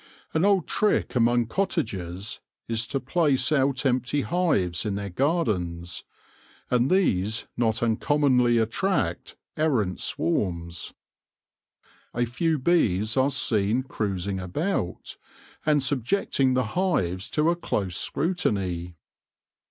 An old trick among cottagers is to place out empty hives in their gardens, and these not un commonly attract errant swarms. A few bees are seen cruising about, and subjecting the hives to a close scrutiny.